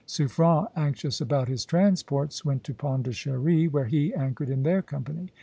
Suffren, anxious about his transports, went to Pondicherry, where he anchored in their company.